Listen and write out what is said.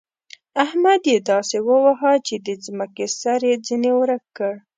احمد يې داسې وواهه چې د ځمکې سر يې ځنې ورک کړ.